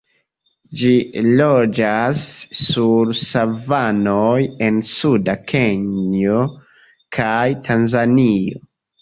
Ĝi loĝas sur savanoj en suda Kenjo kaj Tanzanio.